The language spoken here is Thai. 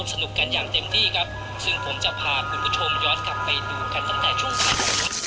ไปเล่นสงการไปเล่นดอกเพลิง